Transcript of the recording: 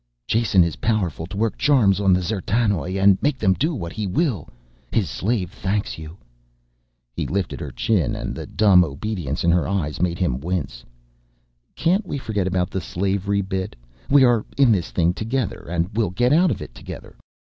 "... Jason is powerful to work charms on the D'zertanoj and makes them do what he will. His slave thanks you." He lifted her chin and the dumb obedience in her eyes made him wince. "Can't we forget about the slavery bit? We are in this thing together and we'll get out of it together."